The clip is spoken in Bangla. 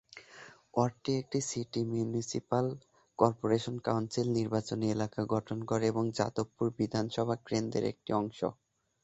ওয়ার্ডটি একটি সিটি মিউনিসিপ্যাল কর্পোরেশন কাউন্সিল নির্বাচনী এলাকা গঠন করে এবং যাদবপুর বিধানসভা কেন্দ্রর একটি অংশ।